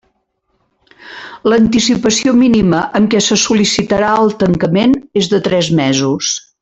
L'anticipació mínima amb què se sol·licitarà el tancament és de tres mesos.